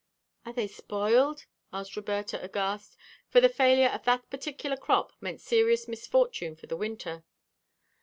"Are they spoiled?" asked Roberta, aghast, for the failure of that particular crop meant serious misfortune for the winter.